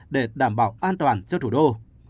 để đảm bảo an toàn cho thủ đô